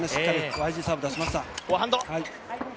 ＹＧサーブ出しました。